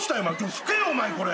拭けよお前これ。